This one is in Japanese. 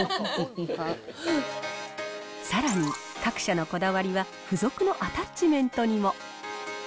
さらに、各社のこだわりは、付属のアタッチメントにも。